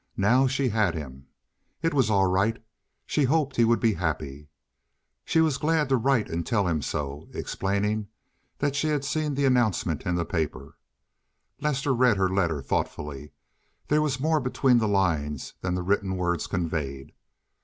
Now she had him. It was all right. She hoped he would be happy. She was glad to write and tell him so, explaining that she had seen the announcement in the papers. Lester read her letter thoughtfully; there was more between the lines than the written words conveyed.